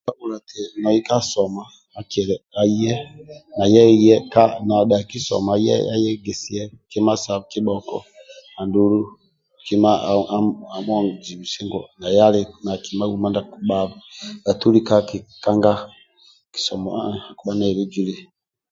Nadhaki soma akiya aye aye nadhaki soma aye ayegesie kima sa kibhoko andulu kima amuzibisie naye ali na kima ndia akibhabe bhaitu kisomo